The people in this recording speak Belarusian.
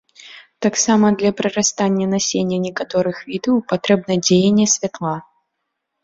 Таксама для прарастання насення некаторых відаў патрэбна дзеянне святла.